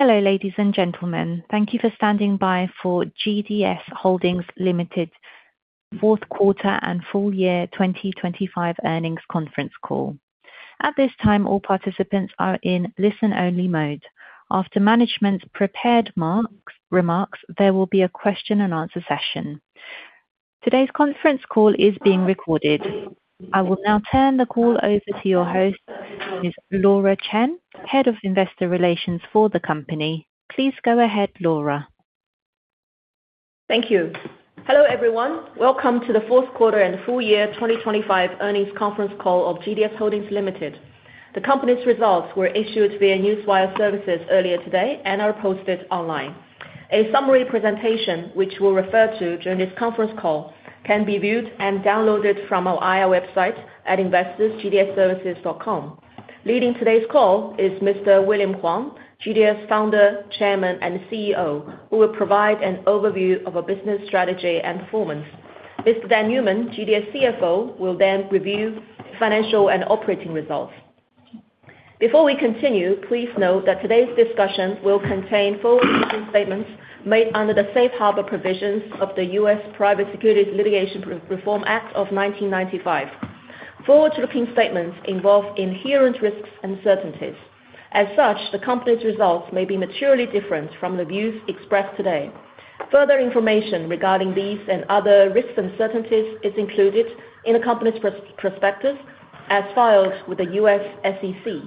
Hello, ladies and gentlemen. Thank you for standing by for GDS Holdings Limited Fourth Quarter and Full Year 2025 Earnings Conference Call. At this time, all participants are in listen-only mode. After management's prepared remarks, there will be a question and answer session. Today's conference call is being recorded. I will now turn the call over to your host, Ms. Laura Chen, Head of Investor Relations for the company. Please go ahead, Laura. Thank you. Hello, everyone. Welcome to the Fourth Quarter and Full Year 2025 Earnings Conference Call of GDS Holdings Limited. The company's results were issued via Newswire services earlier today and are posted online. A summary presentation, which we'll refer to during this conference call, can be viewed and downloaded from our IR website at investors.gds-services.com. Leading today's call is Mr. William Huang, GDS Founder, Chairman, and CEO, who will provide an overview of our business strategy and performance. Mr. Dan Newman, GDS CFO, will then review financial and operating results. Before we continue, please note that today's discussion will contain forward-looking statements made under the safe harbor provisions of the U.S. Private Securities Litigation Reform Act of 1995. Forward-looking statements involve inherent risks and uncertainties. As such, the company's results may be materially different from the views expressed today. Further information regarding these and other risks and uncertainties is included in the company's prospectus as filed with the U.S. SEC.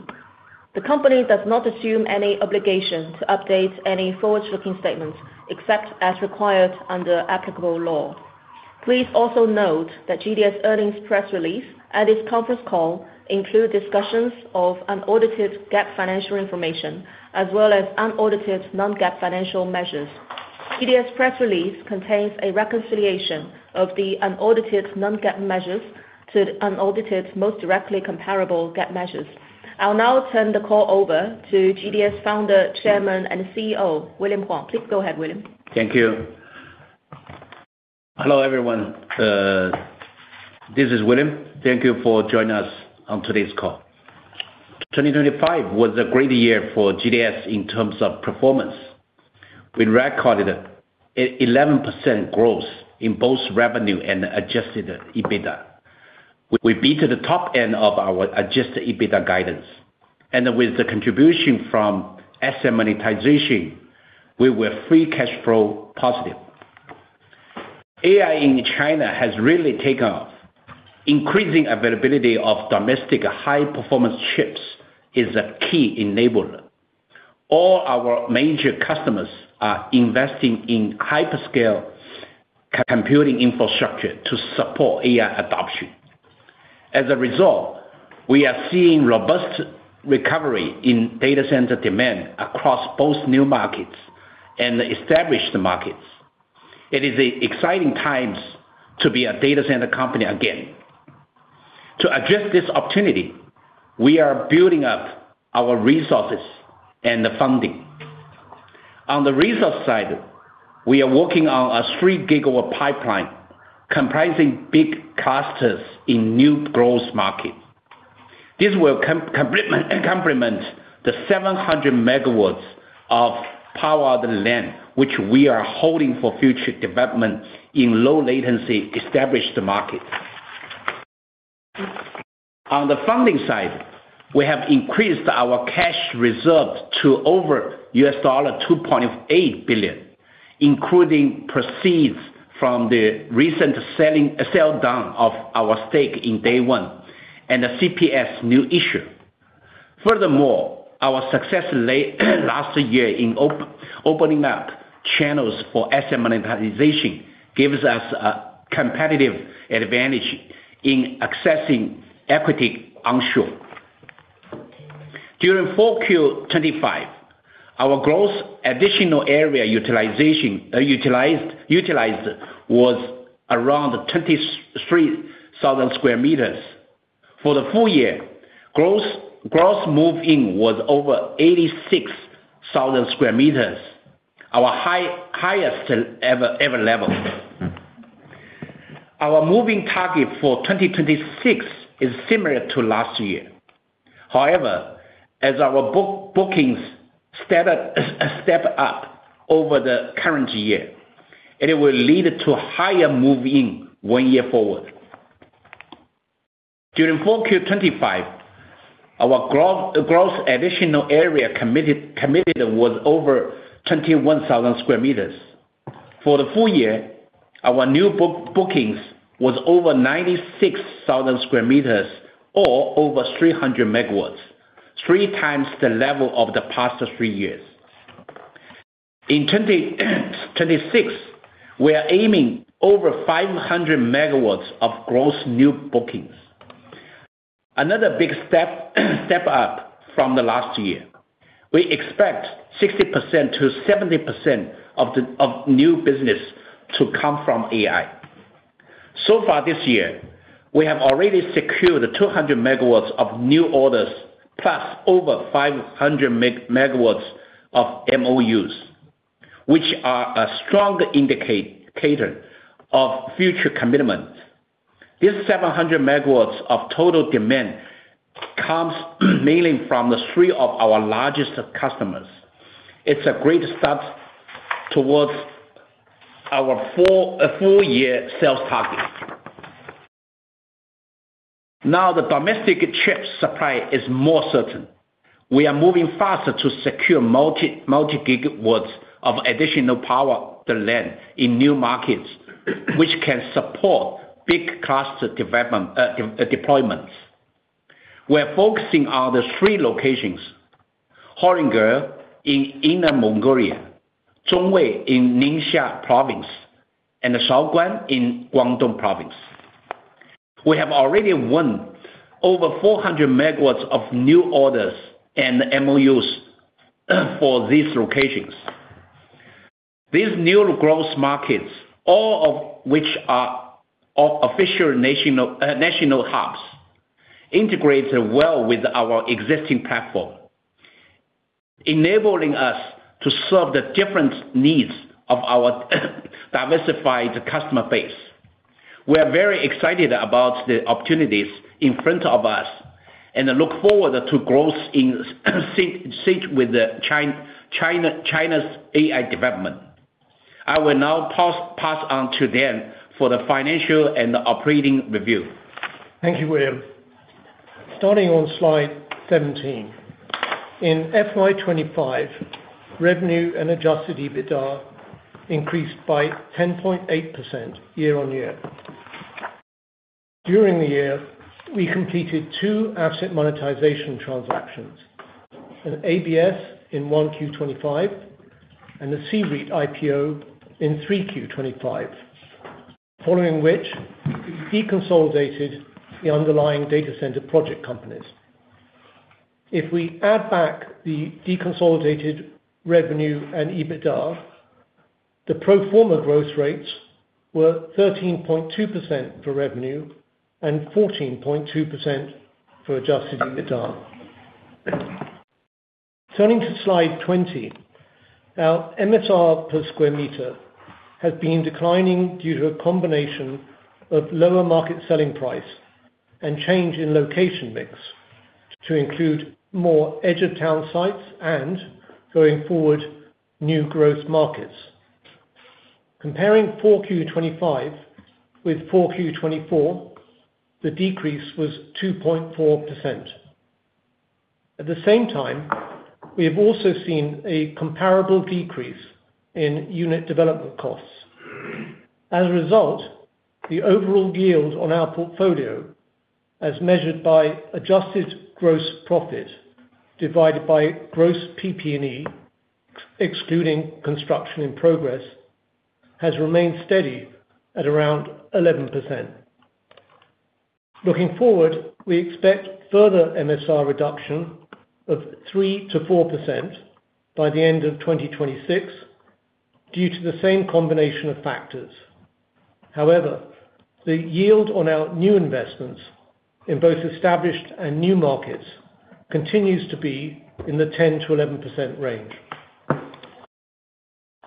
The company does not assume any obligation to update any forward-looking statements, except as required under applicable law. Please also note that GDS earnings press release and its conference call include discussions of unaudited GAAP financial information, as well as unaudited non-GAAP financial measures. GDS press release contains a reconciliation of the unaudited non-GAAP measures to the unaudited most directly comparable GAAP measures. I'll now turn the call over to GDS Founder, Chairman, and CEO, William Huang. Please go ahead, William. Thank you. Hello, everyone. This is William. Thank you for joining us on today's call. 2025 was a great year for GDS in terms of performance. We recorded 11% growth in both revenue and adjusted EBITDA. We beat the top end of our adjusted EBITDA guidance, and with the contribution from asset monetization, we were free cash flow positive. AI in China has really taken off. Increasing availability of domestic high-performance chips is a key enabler. All our major customers are investing in hyperscale computing infrastructure to support AI adoption. As a result, we are seeing robust recovery in data center demand across both new markets and established markets. It is exciting times to be a data center company again. To address this opportunity, we are building up our resources and the funding. On the resource side, we are working on a 3 GW pipeline comprising big clusters in new growth markets. This will complement the 700 MWs of powered land, which we are holding for future development in low latency established market. On the funding side, we have increased our cash reserves to over $2.8 billion, including proceeds from the recent sell down of our stake in DayOne and the CPS new issue. Furthermore, our success last year in opening up channels for asset monetization gives us a competitive advantage in accessing equity onshore. During 4Q 2025, our gross additional area utilization was around 23,000 square meters. For the full year, gross move-in was over 86,000 square meters, our highest ever level. Our move-in target for 2026 is similar to last year. However, as our bookings step up over the current year, it will lead to higher move-in one year forward. During 4Q25, our gross additional area committed was over 21,000 square meters. For the full year, our new bookings was over 96,000 square meters or over 300 MW, 3 times the level of the past three years. In 2026, we are aiming over 500 MW of gross new bookings. Another big step up from the last year. We expect 60%-70% of the new business to come from AI. So far this year, we have already secured 200 MW of new orders plus over 500 MW of MOUs, which are a strong indicator of future commitment. This 700 MW of total demand comes mainly from the three of our largest customers. It's a great start towards our full year sales target. Now the domestic chip supply is more certain. We are moving faster to secure multi-gigawatts of additional power to land in new markets, which can support big data deployments. We're focusing on the three locations, Horinger in Inner Mongolia, Zhongwei in Ningxia Province, and Shaoguan in Guangdong Province. We have already won over 400 MWs of new orders and MOUs for these locations. These new growth markets, all of which are official national hubs, integrates well with our existing platform, enabling us to serve the different needs of our diversified customer base. We are very excited about the opportunities in front of us and look forward to growth in sync with China's AI development. I will now pass on to Dan for the financial and operating review. Thank you, William. Starting on slide 17. In FY 2025, revenue and Adjusted EBITDA increased by 10.8% year-on-year. During the year, we completed two asset monetization transactions, an ABS in 1Q 2025 and a C-REIT IPO in 3Q 2025. Following which we deconsolidated the underlying data center project companies. If we add back the deconsolidated revenue and EBITDA, the pro forma growth rates were 13.2% for revenue and 14.2% for Adjusted EBITDA. Turning to slide 20. Now MSR per square meter has been declining due to a combination of lower market selling price and change in location mix to include more edge of town sites and going forward, new growth markets. Comparing 4Q 2025 with 4Q 2024, the decrease was 2.4%. At the same time, we have also seen a comparable decrease in unit development costs. As a result, the overall yield on our portfolio as measured by adjusted gross profit divided by gross PP&E, excluding construction in progress, has remained steady at around 11%. Looking forward, we expect further MSR reduction of 3%-4% by the end of 2026 due to the same combination of factors. However, the yield on our new investments in both established and new markets continues to be in the 10%-11% range.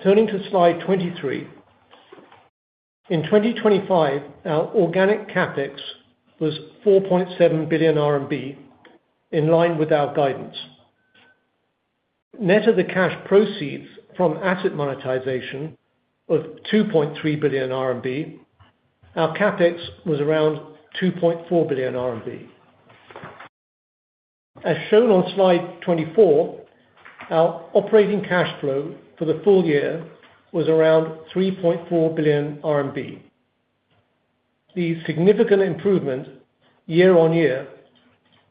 Turning to slide 23. In 2025, our organic CapEx was 4.7 billion RMB, in line with our guidance. Net of the cash proceeds from asset monetization of 2.3 billion RMB, our CapEx was around 2.4 billion RMB. As shown on slide 24, our operating cash flow for the full year was around 3.4 billion RMB. The significant improvement year-on-year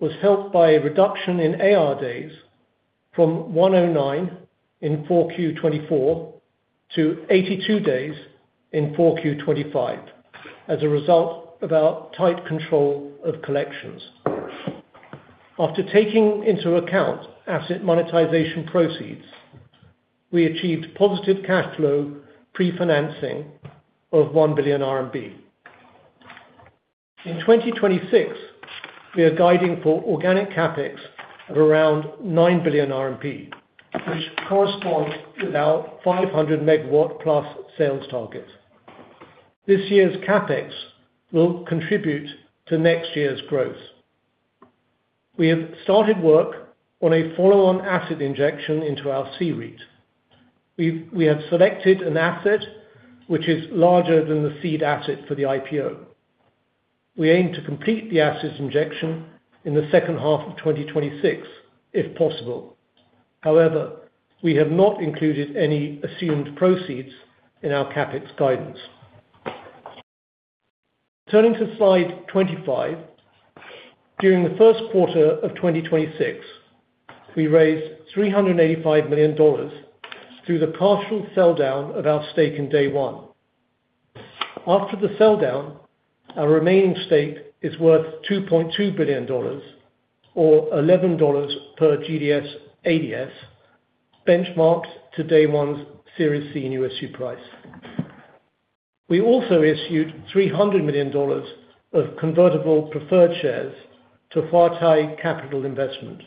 was helped by a reduction in AR days from 109 in 4Q 2024 to 82 days in 4Q 2025 as a result of our tight control of collections. After taking into account asset monetization proceeds, we achieved positive cash flow pre-financing of 1 billion RMB. In 2026, we are guiding for organic CapEx of around 9 billion, which corresponds with our 500 MW+ sales target. This year's CapEx will contribute to next year's growth. We have started work on a follow-on asset injection into our C-REIT. We have selected an asset which is larger than the seed asset for the IPO. We aim to complete the assets injection in the second half of 2026 if possible. However, we have not included any assumed proceeds in our CapEx guidance. Turning to slide 25. During the first quarter of 2026, we raised $385 million through the partial sell down of our stake in DayOne. After the sell down, our remaining stake is worth $2.2 billion or $11 per GDS ADS benchmarked to DayOne's Series C and USD price. We also issued $300 million of convertible preferred shares to Huatai Capital Investment.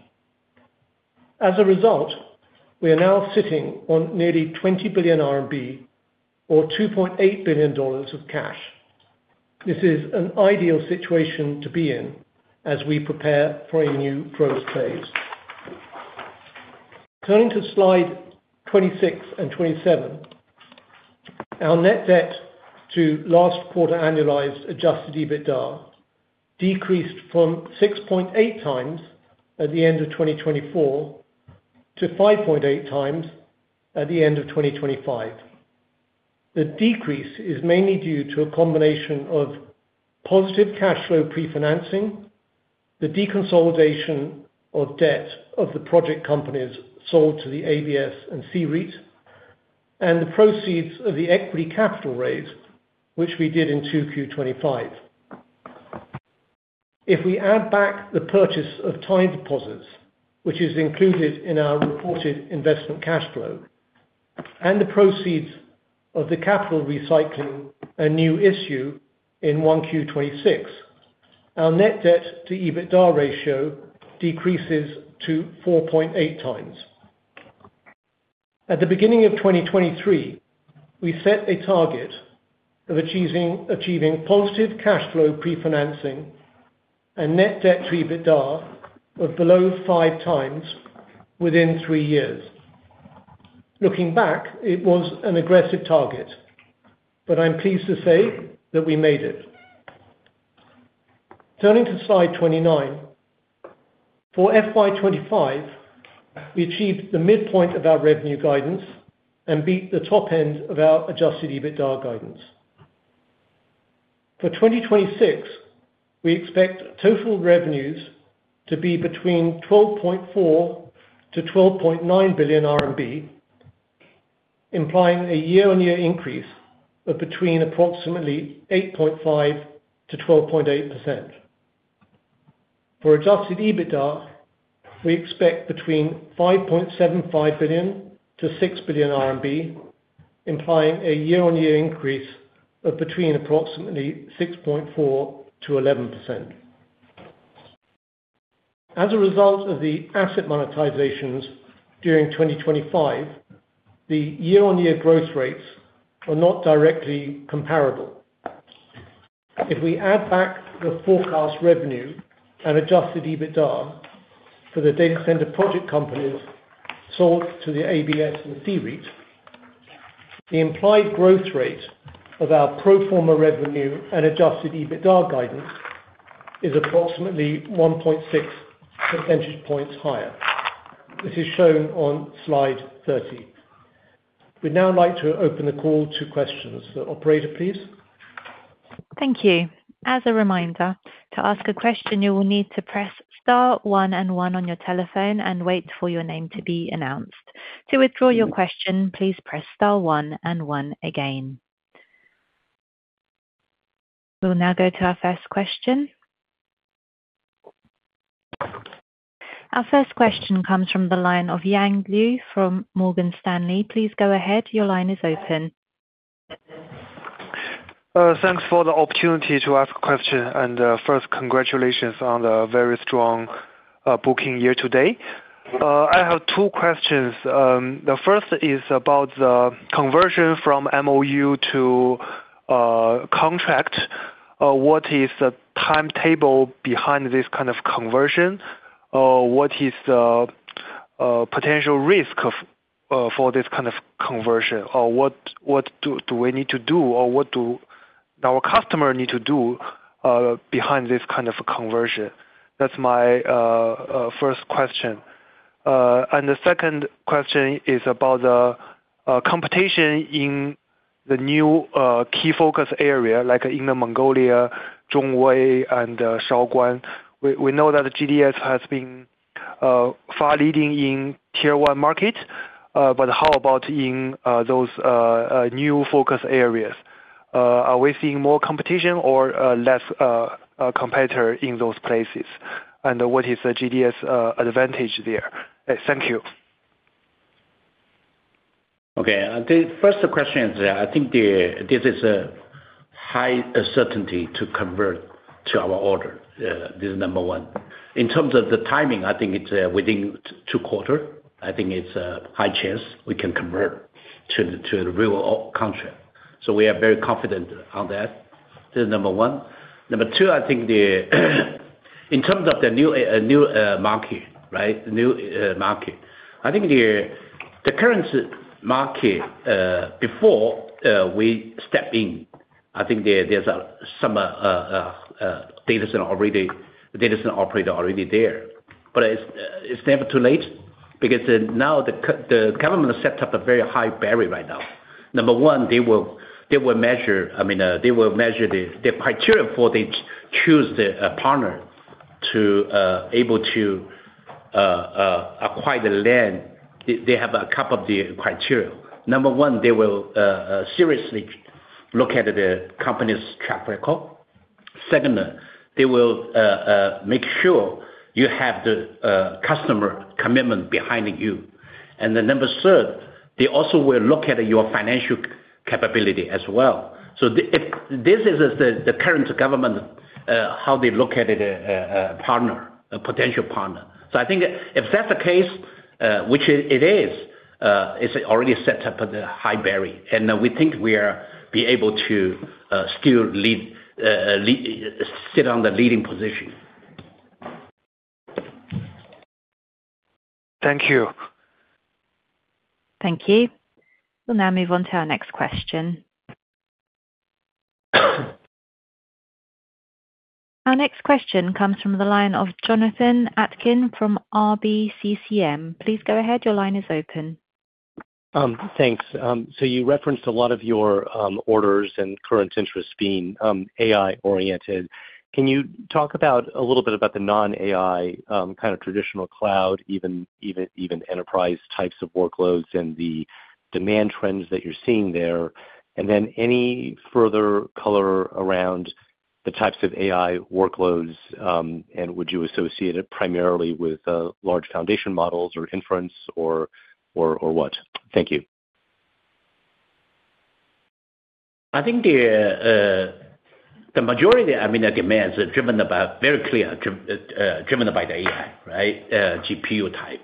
As a result, we are now sitting on nearly 20 billion RMB or $2.8 billion of cash. This is an ideal situation to be in as we prepare for a new growth phase. Turning to slide 26 and 27, our net debt to last quarter annualized Adjusted EBITDA decreased from 6.8x at the end of 2024 to 5.8x at the end of 2025. The decrease is mainly due to a combination of positive cash flow pre-financing, the deconsolidation of debt of the project companies sold to the ABS and C-REIT, and the proceeds of the equity capital raise, which we did in 2Q 2025. If we add back the purchase of time deposits, which is included in our reported investing cash flow and the proceeds of the capital recycling, a new issue in 1Q 2026, our net debt to Adjusted EBITDA ratio decreases to 4.8x. At the beginning of 2023, we set a target of achieving positive cash flow pre-financing and net debt to EBITDA of below 5x within three years. Looking back, it was an aggressive target, but I'm pleased to say that we made it. Turning to slide 29, for FY 2025, we achieved the midpoint of our revenue guidance and beat the top end of our Adjusted EBITDA guidance. For 2026, we expect total revenues to be between 12.4 billion-12.9 billion RMB, implying a year-on-year increase of between approximately 8.5%-12.8%. For Adjusted EBITDA, we expect between 5.75 billion-6 billion RMB, implying a year-on-year increase of between approximately 6.4%-11%. As a result of the asset monetizations during 2025, the year-on-year growth rates are not directly comparable. If we add back the forecast revenue and Adjusted EBITDA for the data center project companies sold to the ABS and C-REIT, the implied growth rate of our pro forma revenue and Adjusted EBITDA guidance is approximately 1.6 percentage points higher. This is shown on slide 30. We'd now like to open the call to questions. Operator, please. Thank you. As a reminder, to ask a question, you will need to press star one and one on your telephone and wait for your name to be announced. To withdraw your question, please press star one and one again. We'll now go to our first question. Our first question comes from the line of Yang Liu from Morgan Stanley. Please go ahead. Your line is open. Thanks for the opportunity to ask a question. First, congratulations on the very strong booking year today. I have two questions. The first is about the conversion from MOU to contract. What is the timetable behind this kind of conversion? What is the potential risk for this kind of conversion? Or what do we need to do? Or what do our customer need to do behind this kind of conversion? That's my first question. The second question is about the competition in the new key focus area, like Inner Mongolia, Zhongwei, and Shaoguan. We know that GDS has been far leading in tier one market, but how about in those new focus areas? Are we seeing more competition or less competition in those places? What is the GDS advantage there? Thank you. Okay. The first question is, I think this is a high certainty to convert to our order. This is number one. In terms of the timing, I think it's within two quarter. I think it's a high chance we can convert to the real contract. We are very confident on that. This is number one. Number two, I think in terms of the new market, right? New market. I think the current market before we step in, I think there's some data center operator already there. But it's never too late because now the government has set up a very high barrier right now. Number one, they will measure. I mean, they will measure the criteria for choosing the partner to be able to acquire the land. They have a couple of criteria. Number one, they will seriously look at the company's track record. Second, they will make sure you have the customer commitment behind you. Number third, they also will look at your financial capability as well. If this is the current government, how they look at a partner, a potential partner. I think if that's the case, which it is, it's already set up at a high barrier, and we think we are be able to still sit on the leading position. Thank you. Thank you. We'll now move on to our next question. Our next question comes from the line of Jonathan Atkin from RBCCM. Please go ahead. Your line is open. Thanks. So you referenced a lot of your orders and current interests being AI oriented. Can you talk about a little bit about the non-AI kind of traditional cloud, even enterprise types of workloads and the demand trends that you're seeing there? Any further color around the types of AI workloads, and would you associate it primarily with large foundation models or inference or what? Thank you. I think the majority, I mean, the demands are driven by a very clear driven by the AI, right? GPU type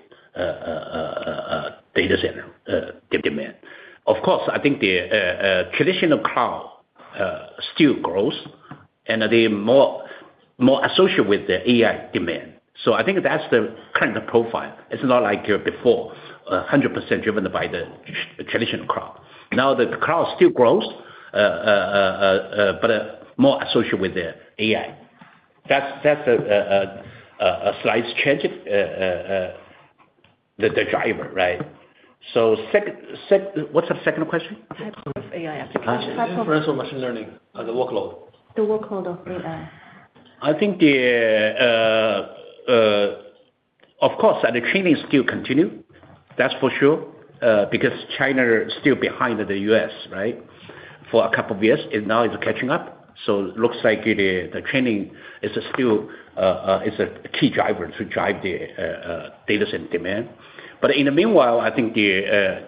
data center demand. Of course, I think the traditional cloud still grows and they're more associated with the AI demand. I think that's the kind of profile. It's not like before, 100% driven by the traditional cloud. Now, the cloud still grows, but more associated with the AI. That's a slight change in the driver, right? What's the second question? Type of AI application. Inference or machine learning, the workload. The workload of AI. I think of course the training still continue, that's for sure. Because China is still behind the U.S., right? For a couple of years, and now it's catching up. Looks like the training is still a key driver to drive the data center demand. In the meanwhile, I think the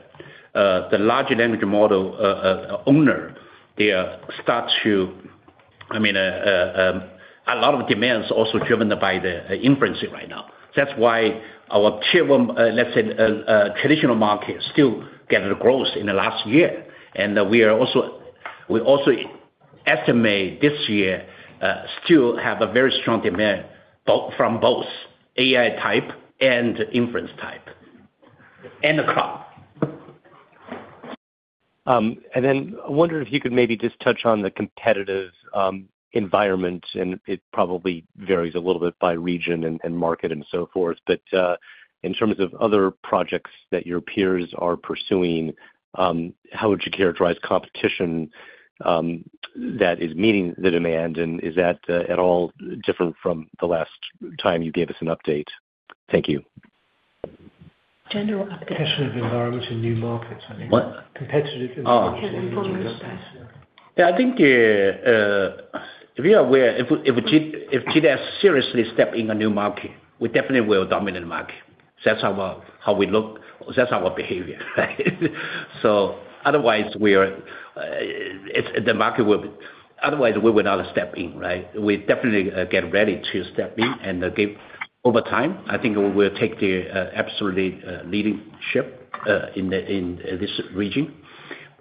large language model owner they start to I mean a lot of demand is also driven by the inferencing right now. That's why our tier one, let's say, traditional market still getting growth in the last year. We also estimate this year still have a very strong demand from both AI type and inference type and the cloud. I wonder if you could maybe just touch on the competitive environment, and it probably varies a little bit by region and market and so forth. In terms of other projects that your peers are pursuing, how would you characterize competition that is meeting the demand? Is that at all different from the last time you gave us an update? Thank you. General- Competitive environment in new markets, I mean. Yeah, I think if you are aware, if GDS seriously step in a new market, we definitely will dominate the market. That's how we look. That's our behavior, right? Otherwise, we would not step in, right? We definitely get ready to step in and give. Over time, I think we'll take the absolutely leadership in this region.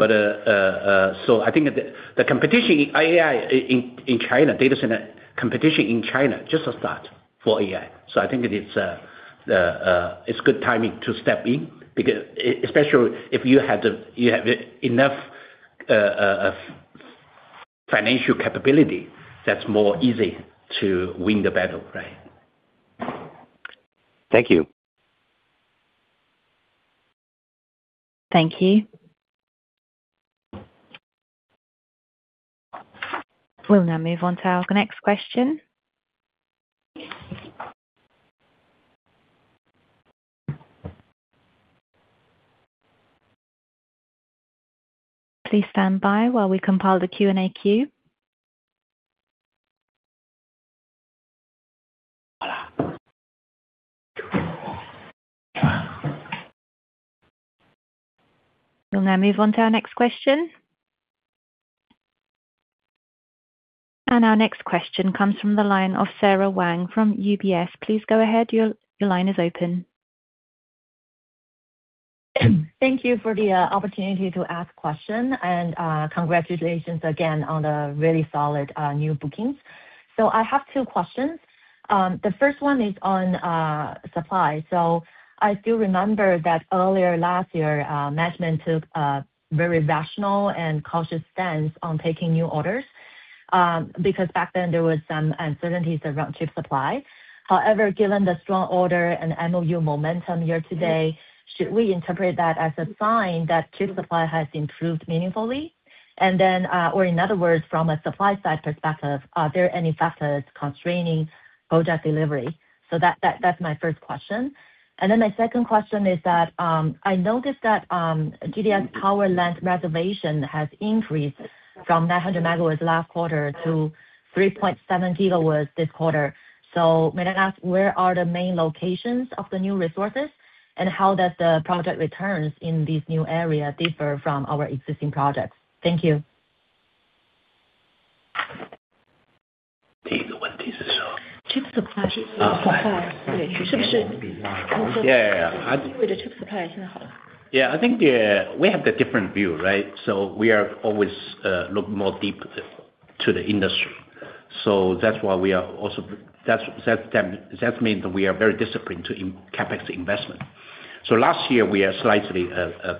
I think the competition in AI in China, data center competition in China just a start for AI. I think it is good timing to step in because especially if you have enough financial capability, that's more easy to win the battle, right? Thank you. Thank you. We'll now move on to our next question. Please stand by while we compile the Q&A queue. We'll now move on to our next question. Our next question comes from the line of Sara Wang from UBS. Please go ahead. Your line is open. Thank you for the opportunity to ask question. Congratulations again on the really solid new bookings. I have two questions. The first one is on supply. I still remember that earlier last year management took a very rational and cautious stance on taking new orders because back then there was some uncertainties around chip supply. However, given the strong order and MOU momentum year to date, should we interpret that as a sign that chip supply has improved meaningfully? Or in other words, from a supply side perspective, are there any factors constraining project delivery? That's my first question. My second question is that I noticed that GDS power plant reservation has increased from 900 MWs last quarter to 3.7 GWs this quarter. May I ask, where are the main locations of the new resources, and how does the project returns in this new area differ from our existing projects? Thank you. Yeah. I think we have a different view, right? We always look more deeply into the industry. That's why we are also. That means that we are very disciplined in CapEx investment. Last year, we are slightly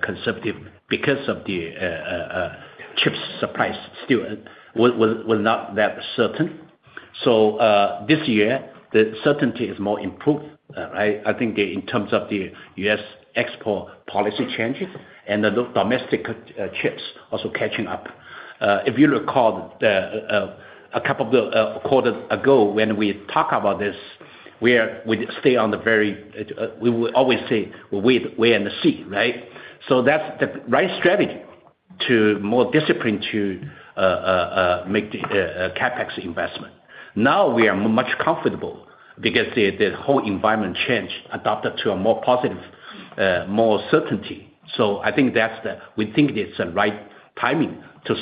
conservative because of the chip supply still was not that certain. This year the certainty is more improved, right? I think in terms of the U.S. export policy changes and the domestic chips also catching up. If you recall a couple of quarters ago when we talk about this, we stayed very. We would always say wait and see, right? That's the right strategy to be more disciplined in making the CapEx investment. Now we are much more comfortable because the whole environment change adapted to a more positive, more certainty. We think it's the right timing to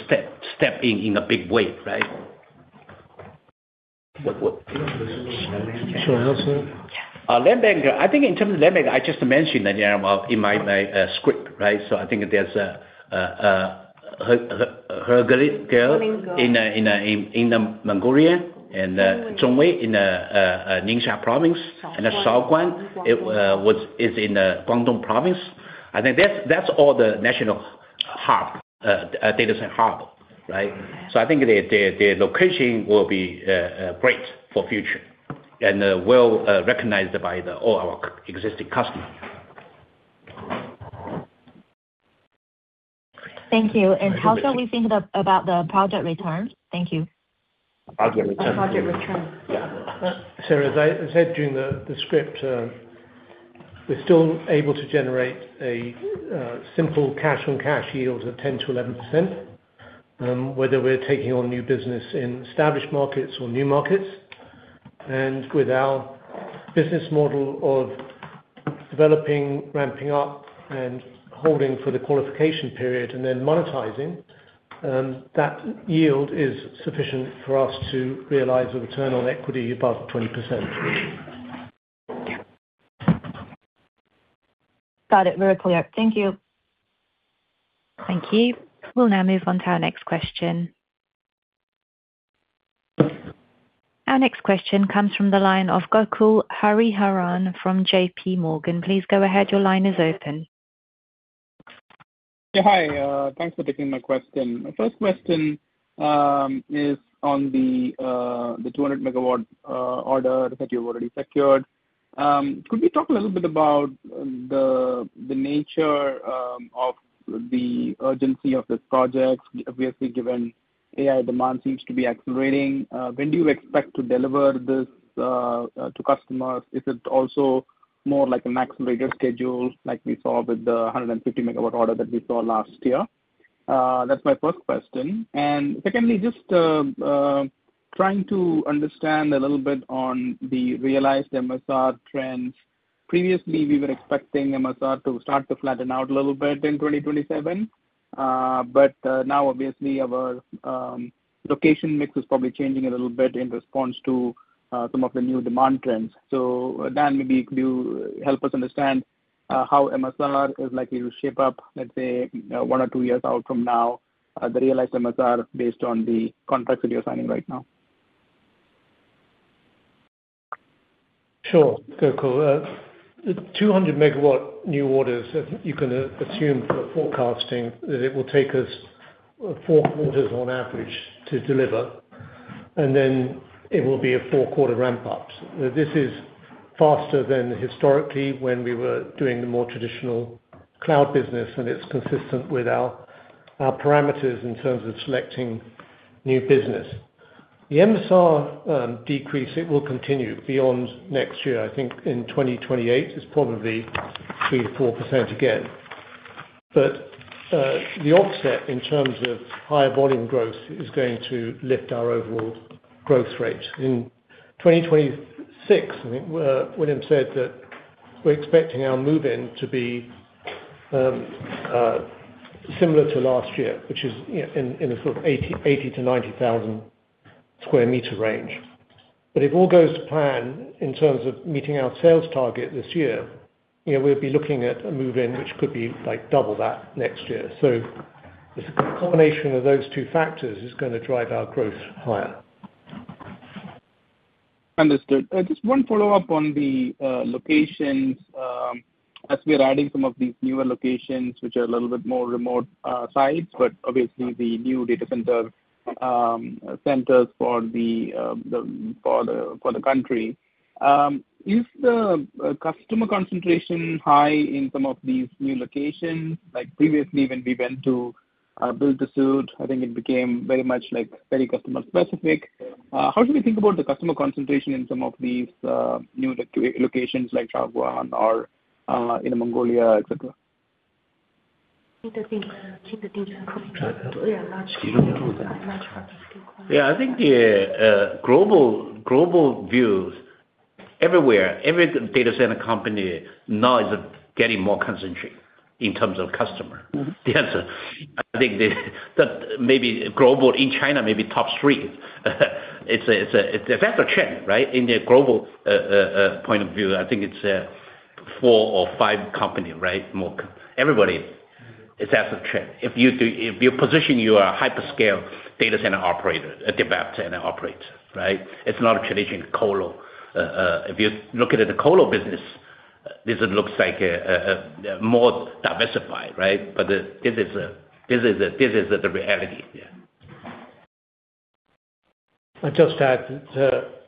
step in in a big way, right? Land bank. I think in terms of land bank, I just mentioned that, yeah, well, in my script, right? I think there's a Horinger in Inner Mongolia and Zhongwei in Ningxia province and Shaoguan, it is in the Guangdong province. I think that's all the national hub data center hub, right? I think the location will be great for future and well recognized by all our existing customers. Thank you. How shall we think about the project return? Thank you. Project return. Project return. Yeah. Sara, as I said during the script, we're still able to generate a simple cash-on-cash yield of 10%-11%, whether we're taking on new business in established markets or new markets. With our business model of developing, ramping up and holding for the qualification period and then monetizing, that yield is sufficient for us to realize a return on equity above 20%. Got it. Very clear. Thank you. Thank you. We'll now move on to our next question. Our next question comes from the line of Gokul Hariharan from J.P. Morgan. Please go ahead. Your line is open. Yeah. Hi. Thanks for taking my question. My first question is on the 200 MW order that you've already secured. Could we talk a little bit about the nature of the urgency of this project? Obviously, given AI demand seems to be accelerating, when do you expect to deliver this to customers? Is it also more like an accelerated schedule like we saw with the 150 MW order that we saw last year? That's my first question. Secondly, just trying to understand a little bit on the realized MSR trends. Previously, we were expecting MSR to start to flatten out a little bit in 2027. Now obviously our location mix is probably changing a little bit in response to some of the new demand trends. Dan, maybe could you help us understand, how MSR is likely to shape up, let's say, one or two years out from now, the realized MSR based on the contracts that you're signing right now? Sure, Gokul. The 200 MW new orders, you can assume for forecasting that it will take us four quarters on average to deliver, and then it will be a four-quarter ramp up. This is faster than historically when we were doing the more traditional cloud business, and it's consistent with our parameters in terms of selecting new business. The MSR decrease, it will continue beyond next year. I think in 2028 is probably 3%-4% again. The offset in terms of higher volume growth is going to lift our overall growth rate. In 2026, I think William said that we're expecting our move-in to be similar to last year, which is in a sort of 80-90,000 square meter range. if all goes to plan in terms of meeting our sales target this year, you know, we'll be looking at a move-in which could be like double that next year. The combination of those two factors is gonna drive our growth higher. Understood. Just one follow-up on the locations, as we're adding some of these newer locations, which are a little bit more remote sites, but obviously the new data center centers for the country. Is the customer concentration high in some of these new locations? Like previously when we went to build the site, I think it became very much like customer specific. How do we think about the customer concentration in some of these new locations like Shaoguan or Inner Mongolia, etc.? Yeah, I think everywhere, every data center company now is getting more concentrated in terms of customer. Mm-hmm. Yes. I think that maybe in China, maybe top three. That's a trend, right? In the global point of view, I think it's four or five companies, right? Everybody is at the trend. If you position your hyperscale data center operator, a dev ops center operator, right? It's not a traditional colo. If you look at the colo business, this looks like more diversified, right? This is the reality. Yeah. I'd just add that,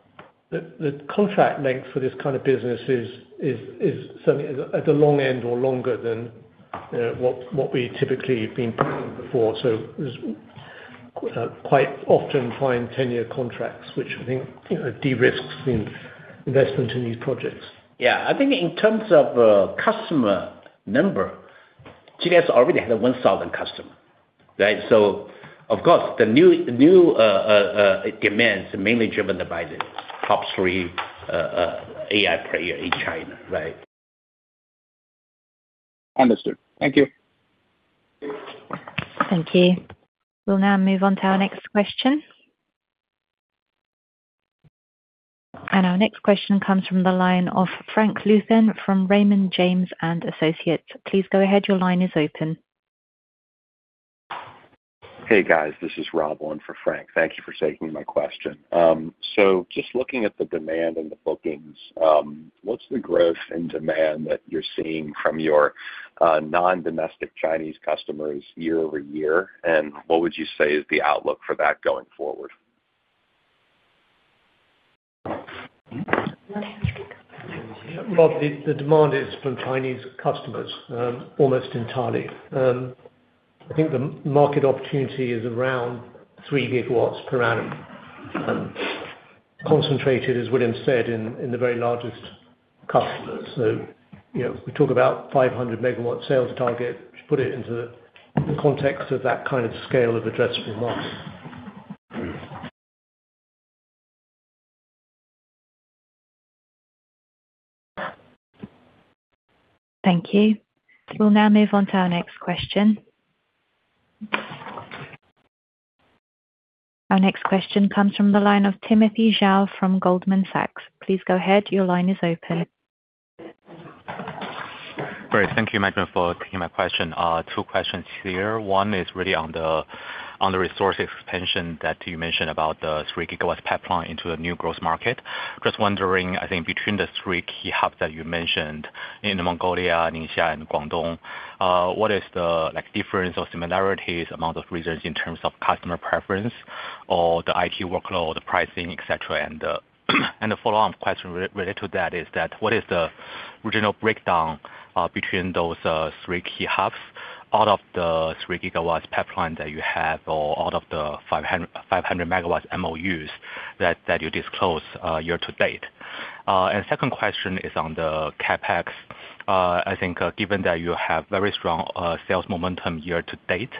the contract length for this kind of business is certainly at the long end or longer than what we typically have been planning before. We quite often find 10-year contracts, which I think, you know, de-risks the investment in these projects. Yeah. I think in terms of customer number, GDS already has 1,000 customer, right? Of course, the new demands are mainly driven by the top three AI player in China, right? Understood. Thank you. Thank you. We'll now move on to our next question. Our next question comes from the line of Frank Louthan from Raymond James & Associates. Please go ahead. Your line is open. Hey, guys, this is Rob on for Frank. Thank you for taking my question. Just looking at the demand and the bookings, what's the growth in demand that you're seeing from your non-domestic Chinese customers year over year? And what would you say is the outlook for that going forward? Rob, the demand is from Chinese customers, almost entirely. I think the market opportunity is around 3 GW per annum, concentrated, as William said, in the very largest customers. You know, we talk about 500 MW sales target to put it into the context of that kind of scale of addressable market. Thank you. We'll now move on to our next question. Our next question comes from the line of Timothy Zhao from Goldman Sachs. Please go ahead. Your line is open. Great. Thank you, management, for taking my question. Two questions here. One is really on the resource expansion that you mentioned about the 3 GWs pipeline into the new growth market. Just wondering, I think between the 3 key hubs that you mentioned in Mongolia, Ningxia, and Guangdong, what is the difference or similarities among those regions in terms of customer preference or the IT workload, the pricing, etc.? The follow-on question related to that is what is the regional breakdown between those 3 key hubs out of the 3 GWs pipeline that you have or out of the 500 MWs MOUs that you disclosed year to date? Second question is on the CapEx. I think, given that you have very strong sales momentum year to date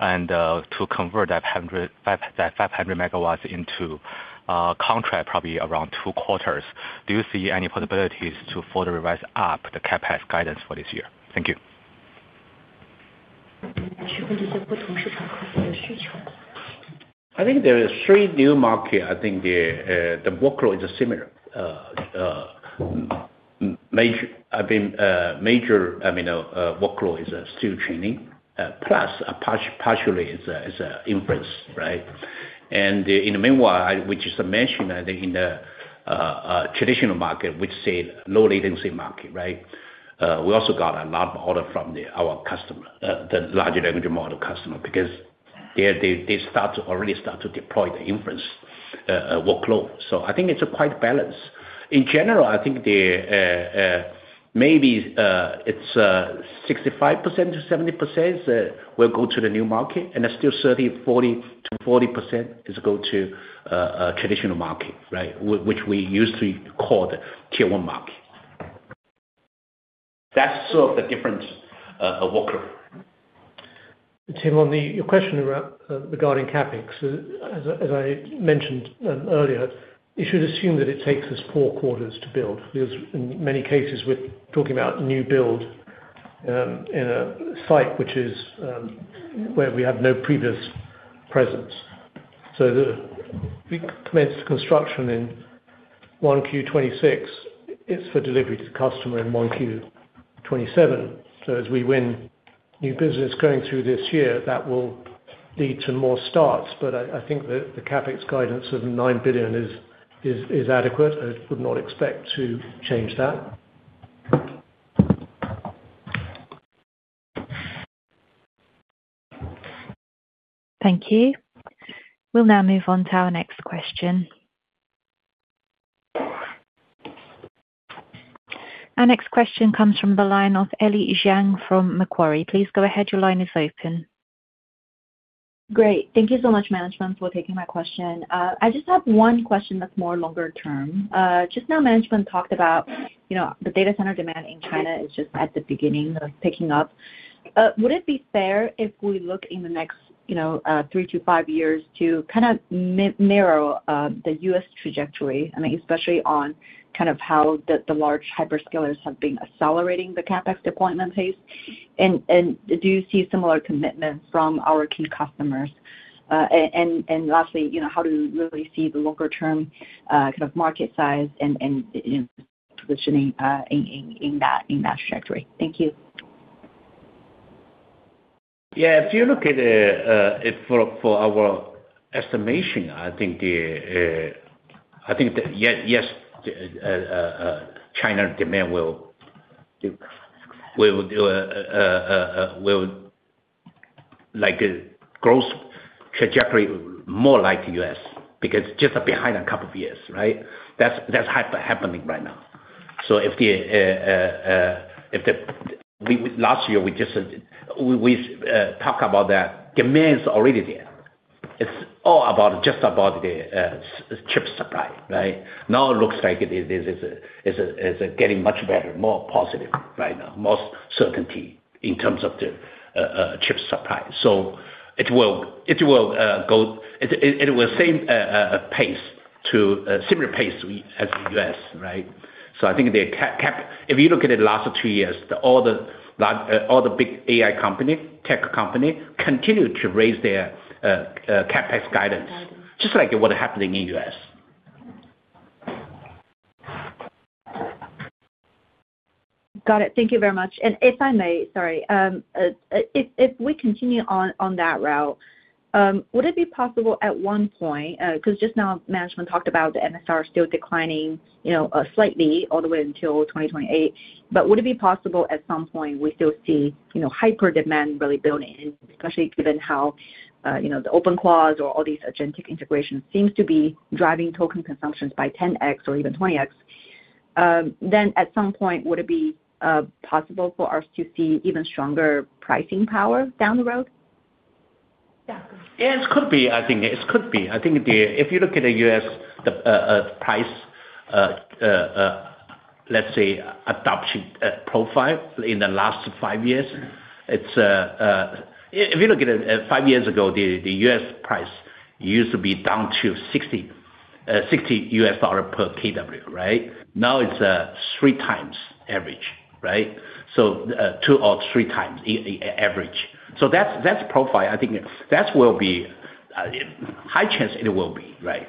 and to convert that 500 MWs into a contract, probably around two quarters, do you see any possibilities to further revise up the CapEx guidance for this year? Thank you. I think there are three new markets. I think the workload is similar. Major workload is still training, plus partially is inference, right? In the meanwhile, we just mentioned, I think in the traditional market, we'd say low latency market, right? We also got a lot of orders from our customer, the large language model customer because they already start to deploy the inference workload. I think it's quite balanced. In general, I think maybe it's 65%-70% will go to the new market and still 30-40% goes to traditional market, right? Which we used to call the tier one market. That's sort of the difference of workload. Tim, on your question regarding CapEx, as I mentioned earlier, you should assume that it takes us four quarters to build because in many cases, we're talking about new build in a site which is where we have no previous presence. We commence the construction in 1Q 2026. It's for delivery to customer in 1Q 2027. As we win new business going through this year, that will lead to more starts. I think the CapEx guidance of 9 billion is adequate. I would not expect to change that. Thank you. We'll now move on to our next question. Our next question comes from the line of Ellie Jiang from Macquarie. Please go ahead. Your line is open. Great. Thank you so much, management, for taking my question. I just have one question that's more longer term. Just now management talked about, you know, the data center demand in China is just at the beginning of picking up. Would it be fair if we look in the next, you know, 3-5 years to kind of mirror the U.S. Trajectory, I mean, especially on kind of how the large hyperscalers have been accelerating the CapEx deployment pace? Lastly, you know, how do you really see the longer term sort of market size and, you know, positioning in that trajectory? Thank you. Yeah. If you look at for our estimation, I think that yes, China demand will like growth trajectory more like U.S. because just behind a couple of years, right? That's happening right now. Last year, we just talk about that demand is already there. It's all about just about the chip supply, right? Now, it looks like it is getting much better, more positive right now, more certainty in terms of the chip supply. It will same pace to similar pace as U.S., right? I think the CapEx. If you look at it last two years, all the big AI company, tech company continue to raise their CapEx guidance just like it would happen in U.S. Got it. Thank you very much. If I may, sorry. If we continue on that route, would it be possible at one point, 'cause just now management talked about the MSR still declining, you know, slightly all the way until 2028, but would it be possible at some point we still see, you know, hyperscale demand really building, especially given how, you know, the agentic integration or all these agentic integration seems to be driving token consumptions by 10x or even 20x. At some point, would it be possible for us to see even stronger pricing power down the road? Yes. Could be. I think it could be. I think. If you look at the U.S., the price, let's say, adoption profile in the last five years, it's. If you look at it, five years ago, the U.S. price used to be down to $60 per kW, right? Now, it's 3x average, right? So, 2x or 3x average. So that's profile. I think that will be a high chance it will be, right?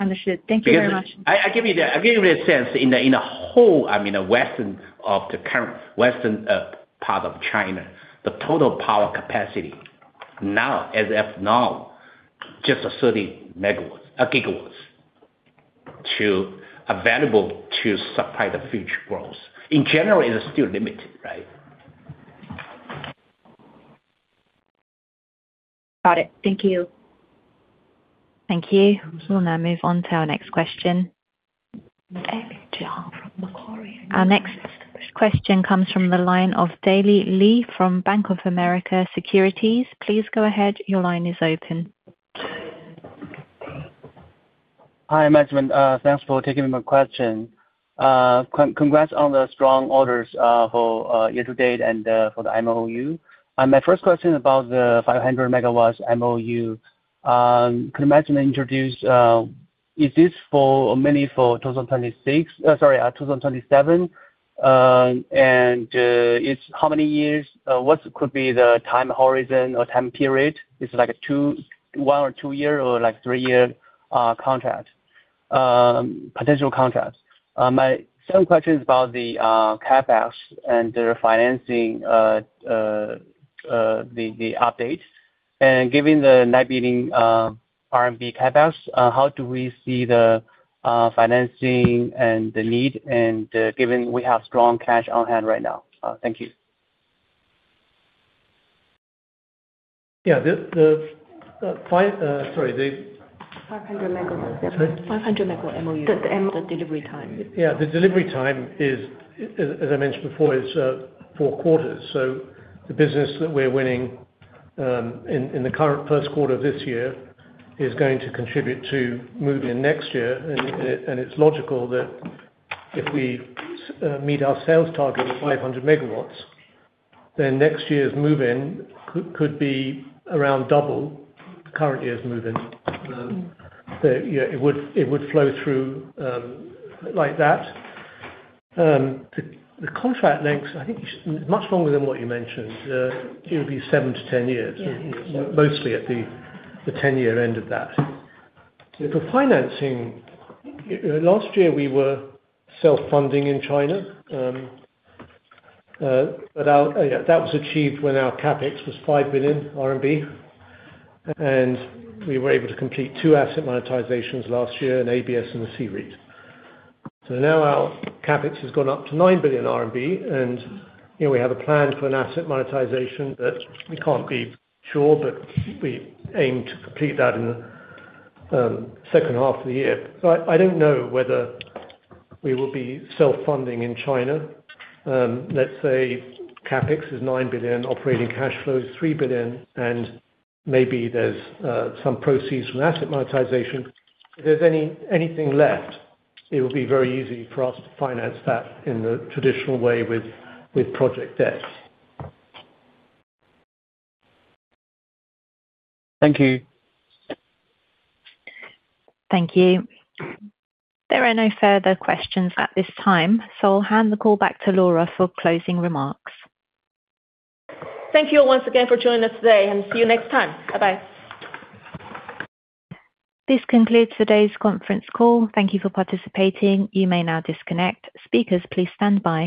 Understood. Thank you very much. I give you the sense of the whole, I mean, the western part of China, the total power capacity now, as of now, just 30 GWs available to supply the future growth. In general, it's still limited, right? Got it. Thank you. Thank you. We'll now move on to our next question. Our next question comes from the line of Daley Li from Bank of America Securities. Please go ahead. Your line is open. Hi, management. Thanks for taking my question. Congrats on the strong orders for year-to-date and for the MOU. My first question about the 500 MW MOU. Could management introduce, is this mainly for 2026? Sorry, 2027. It's how many years? What could be the time horizon or time period? Is it like a two-, one- or two-year or like three-year contract, potential contract? My second question is about the CapEx and the financing, the updates. Given the net building RMB CapEx, how do we see the financing and the need, and given we have strong cash on hand right now? Thank you. Yeah. Sorry. The 500 MW MOU. Sorry? 500 MW MOU. The delivery time. The delivery time is, as I mentioned before, four quarters. The business that we're winning in the current first quarter of this year is going to contribute to move in next year. It's logical that if we meet our sales target of 500 MW, then next year's move-in could be around double the current year's move-in. But you know, it would flow through like that. The contract length, I think much longer than what you mentioned. It would be 7-10 years. Yeah. Mostly at the ten-year end of that. For financing, last year we were self-funding in China. That was achieved when our CapEx was 5 billion RMB, and we were able to complete two asset monetizations last year, an ABS and a C-REIT. Now our CapEx has gone up to 9 billion RMB and, you know, we have a plan for an asset monetization that we can't be sure, but we aim to complete that in second half of the year. I don't know whether we will be self-funding in China. Let's say CapEx is 9 billion, operating cash flow is 3 billion, and maybe there's some proceeds from asset monetization. If there's anything left, it will be very easy for us to finance that in the traditional way with project debt. Thank you. Thank you. There are no further questions at this time, so I'll hand the call back to Laura for closing remarks. Thank you all once again for joining us today, and see you next time. Bye bye. This concludes today's conference call. Thank you for participating. You may now disconnect. Speakers, please stand by.